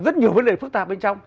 rất nhiều vấn đề phức tạp bên trong